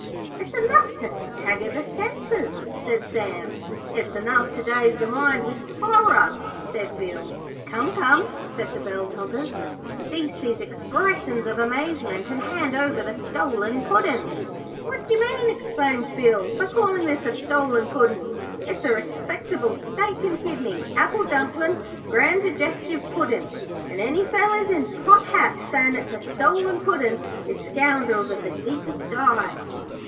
'It's enough to stagger the senses,' said Sam. 'It's enough to daze the mind with horror,' said Bill. 'Come, come,' said the bell topperers, 'cease these expressions of amazement and hand over the stolen Puddin'.' 'What d'yer mean,' exclaimed Bill, 'by calling this a stolen Puddin'? It's a respectable steak and kidney, apple dumplin', grand digestive Puddin', and any fellers in pot hats sayin' it's a stolen Puddin' is scoundrels of the deepest dye.'